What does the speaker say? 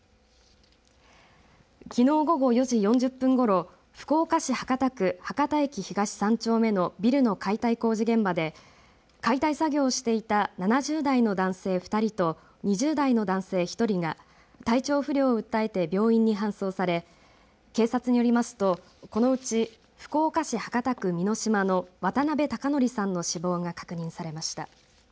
きのう午後４時４０分ごろ福岡市博多区博多駅東３丁目のビルの解体工事現場で解体作業をしていた７０代の男性２人と２０代の男性１人が体調不良を訴えて病院に搬送され警察によりますとこのうち福岡市博多区美野島の渡邊孝憲さんの死亡が確認されました。